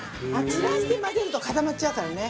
散らして混ぜると固まっちゃうからね。